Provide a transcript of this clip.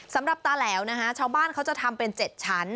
สำหรับตาแหลวนะคะชาวบ้านเขาจะทำเป็น๗ชั้น